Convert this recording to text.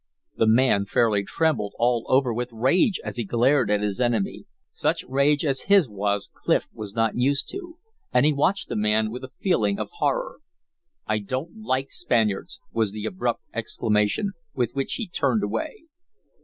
The man fairly trembled all over with rage as he glared at his enemy; such rage as his was Clif was not used to, and he watched the man with a feeling of horror. "I don't like Spaniards!" was the abrupt exclamation, with which he turned away.